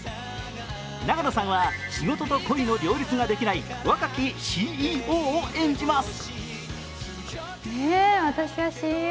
永野さんは仕事と恋の両立ができない若きＣＥＯを演じます。